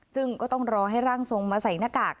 ซึ่งก็ต้องรอให้ร่างทรงมาใส่หน้ากาก